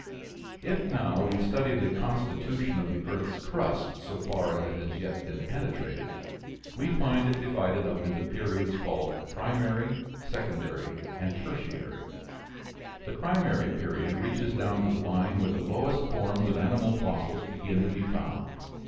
If, now, we study the constitution of the earth's crust so far as it has yet been penetrated, we find it divided up into periods called Primary, Secondary, and Tertiary. The primary period reaches down to the line where the lowest forms of animal fossils begin to be found.